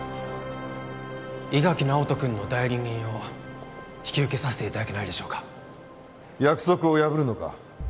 伊垣尚人君の代理人を引き受けさせていただけないでしょうか約束を破るのか？